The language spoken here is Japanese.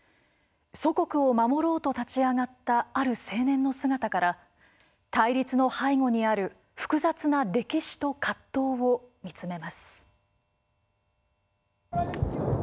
祖国を守ろうと立ち上がったある青年の姿から対立の背後にある複雑な歴史と葛藤を見つめます。